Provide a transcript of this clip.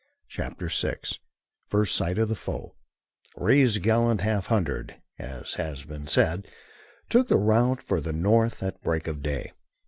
CHAPTER VI FIRST SIGHT OF THE FOE Ray's gallant half hundred, as has been said, took the route for the north at break of day.